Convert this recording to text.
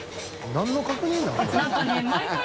何の確認なの？